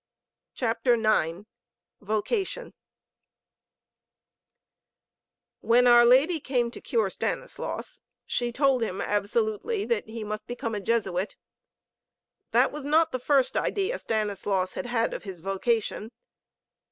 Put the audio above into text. CHAPTER IX VOCATION When our Lady came to cure Stanislaus, she told him absolutely that he must become a Jesuit. That was not the first idea Stanislaus had had of his vocation.